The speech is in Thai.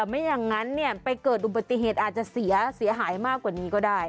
ไม่อย่างนั้นไปเกิดอุบัติเหตุอาจจะเสียหายมากกว่านี้ก็ได้